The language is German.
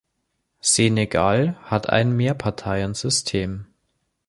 Senegal hat ein Mehrparteiensystem.